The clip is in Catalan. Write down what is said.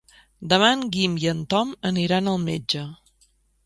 Demà en Guim i en Tom aniran al metge.